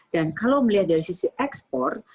dan kalau melihat dari sisi ekspor